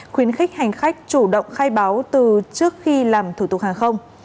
khuyến khích hành khách chủ động khai báo từ trước khi làm thủ tục hàng không